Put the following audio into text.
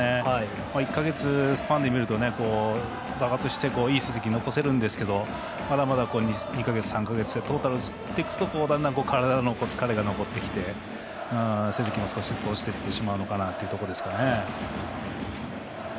１か月スパンで見ると爆発していい成績を残せるんですけどまだまだ２か月、３か月トータルでいくと体の疲れが残ってきて成績も落ちていってしまうのかなというところです。